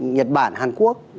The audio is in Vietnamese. nhật bản hàn quốc